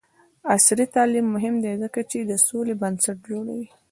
عصري تعلیم مهم دی ځکه چې د سولې بنسټ جوړوي.